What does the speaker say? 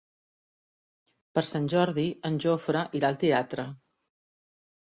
Per Sant Jordi en Jofre irà al teatre.